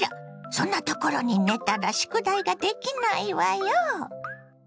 そんなところに寝たら宿題ができないわよ。